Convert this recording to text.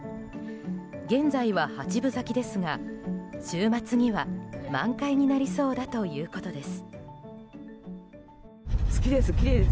現在は八分咲きですが週末には満開になりそうだということです。